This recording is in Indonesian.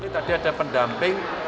tadi ada pendamping